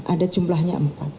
ada jumlahnya empat